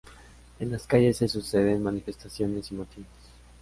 En las calles se suceden manifestaciones y motines.